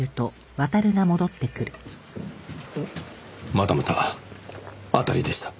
またまた当たりでした。